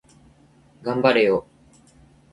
頑張れよ